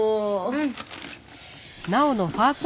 うん。